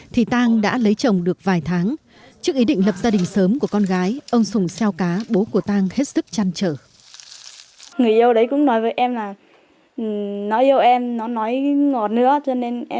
thì tang đã lấy chồng được vài tháng trước ý định lập gia đình sớm của con gái ông sùng xeo cá bố của tăng hết sức chăn trở